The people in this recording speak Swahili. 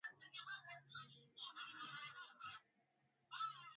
na kukusifu kwa wazazi